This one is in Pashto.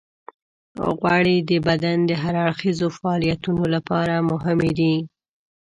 غوړې د بدن د هر اړخیزو فعالیتونو لپاره مهمې دي.